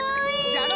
じゃろ？